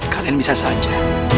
kalian bisa saja